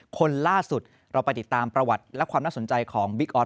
คนล่าสุดเราไปติดตามประวัติและความน่าสนใจของบิ๊กออส